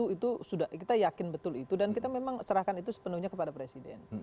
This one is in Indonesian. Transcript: itu sudah kita yakin betul itu dan kita memang serahkan itu sepenuhnya kepada presiden